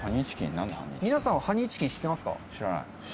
皆さんはハニーチキン知ってますか？